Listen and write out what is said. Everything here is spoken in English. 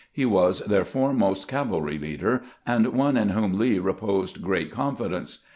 He was their foremost cavalry leader, and one in whom Lee reposed great confidence.